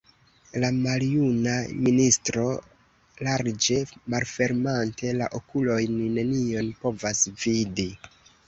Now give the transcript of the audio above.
La maljuna ministro, larĝe malfermante la okulojn, nenion povas vidi!